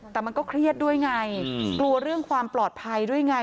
แต่มันก็เครียดด้วยไงกลัวเรื่องความปลอดภัยด้วยไง